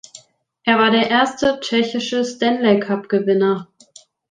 Er war der erste Tschechische Stanley Cup Gewinner.